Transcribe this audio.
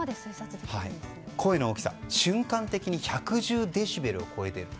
声の大きさ、瞬間的に１１０デシベルを超えている。